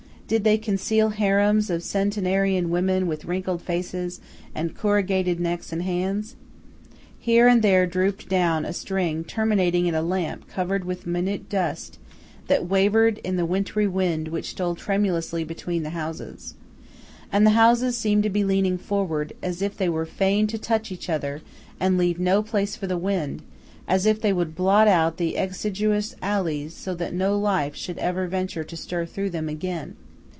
Did they conceal harems of centenarian women with wrinkled faces, and corrugated necks and hands? Here and there drooped down a string terminating in a lamp covered with minute dust, that wavered in the wintry wind which stole tremulously between the houses. And the houses seemed to be leaning forward, as if they were fain to touch each other and leave no place for the wind, as if they would blot out the exiguous alleys so that no life should ever venture to stir through them again.